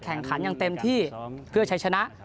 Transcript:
แข่งขันอย่างเต็มที่เพื่อใช้ชนะ